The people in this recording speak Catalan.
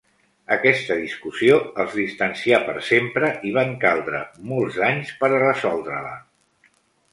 Aquesta discussió els distancià per sempre i van caldre molts anys per a resoldre-la.